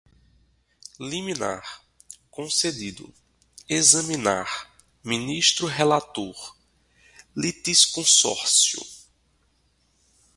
liminar, concedido, examinar, ministro relator, litisconsórcio